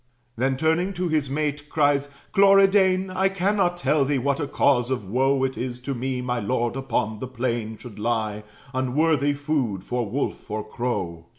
Then, turning to his mate, cries, "Cloridane, I cannot tell thee what a cause of woe It is to me, my lord upon the plain Should lie, unworthy food for wolf or crow!